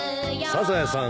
サザエさん